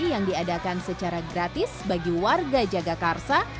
yang diadakan secara gratis bagi warga jagakarsa